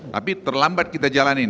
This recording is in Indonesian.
tapi terlambat kita jalanin